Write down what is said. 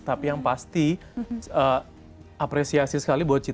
tapi yang pasti apresiasi sekali buat citra udah